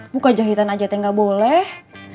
buka jahitan a'ajat yang gak boleh